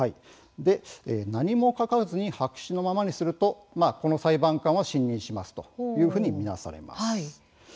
何も書かずに白紙のままにするとこの裁判官は信任しますと見なされます。